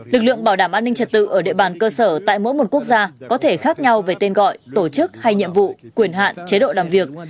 lực lượng bảo đảm an ninh trật tự ở địa bàn cơ sở tại mỗi một quốc gia có thể khác nhau về tên gọi tổ chức hay nhiệm vụ quyền hạn chế độ làm việc